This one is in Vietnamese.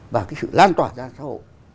và cái sự lan tỏa ra xã hội